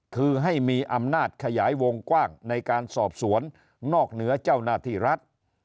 คือให้มีอำนาจขยายวงกว้างในการสอบสวนนอกเหนือเจ้าหน้าที่รัฐ